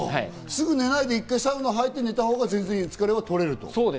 すぐ寝ないで１回サウナに入ってから寝たほうが疲れが取れると。